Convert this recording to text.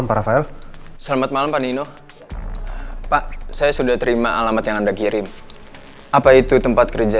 mau aku pulang aja